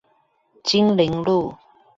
金陵路